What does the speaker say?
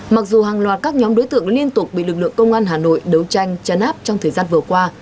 mặc dù hàng loạt các nhóm đối tượng liên tục bị lực lượng công an hà nội đấu tranh chấn áp trong thời gian vừa qua